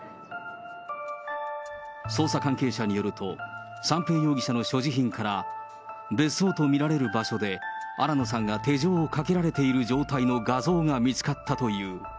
捜査関係者によると、三瓶容疑者の所持品から、別荘と見られる場所で新野さんが手錠をかけられている状態の画像が見つかったという。